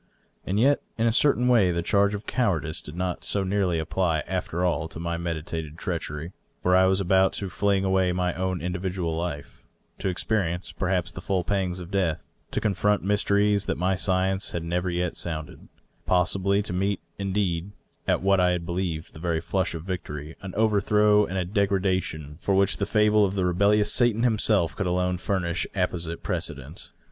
And yet in a certain way the charge of cowardice did not so nearly apply, after all, to my meditated treachery. For I was about to fling away my own individual life — to experience, perhaps, the full pangs of death — ^to confront mysteries that my science had never yet sounded — possibly to meet, indeed, at what I had believed the very flush of victory, an overthrow and a degradation for which the fable of the rebellious Satan himself could alone furnish apposite precedent.